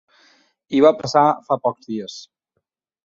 I va passar fa pocs dies.